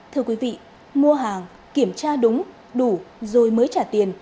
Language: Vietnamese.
thưa quý vị mua hàng kiểm tra đúng đủ rồi mới trả tiền